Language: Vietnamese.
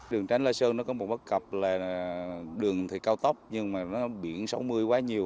đường tránh lây sơn nó có một bất cập là đường thì cao tốc nhưng mà nó biển sáu mươi quá nhiều